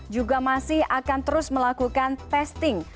juga masih akan terus melakukan testing